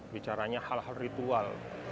bicaranya hal hal ritual